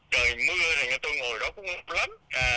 trời mưa thì tôi ngồi đó cũng ấm lắm